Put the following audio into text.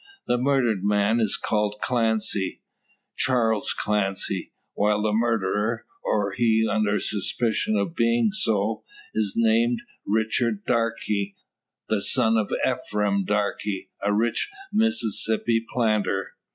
The murdered man is called Clancy Charles Clancy while the murderer, or he under suspicion of being so, is named Richard Darke, the son of Ephraim Darke, a rich Mississippi planter.